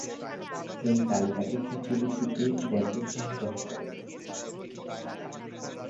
এই তালিকাটি ক্ষেত্র ভিত্তিতে "দেশ"-এর সংজ্ঞা গ্রহণ করে।